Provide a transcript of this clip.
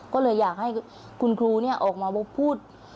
ก็เลยอยากให้คุณครูออกมาพูด